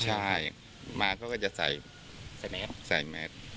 ใช่มาเขาก็จะใส่แมท